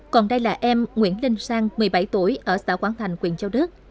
còn đây là em nguyễn linh sang một mươi bảy tuổi ở xã quảng thành quyện châu đức